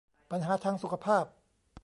ปัญหาทางสุขภาพ